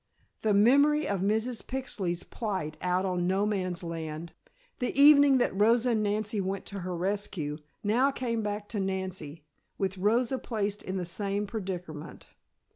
The memory of Mrs. Pixley's plight out on No Man's Land, the evening that Rosa and Nancy went to her rescue, now came back to Nancy, with Rosa placed in the same predicament.